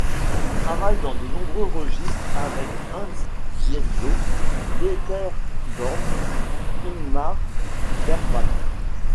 Il travaille dans de nombreux registres avec Hans Lietzau, Dieter Dorn, Ingmar Bergman.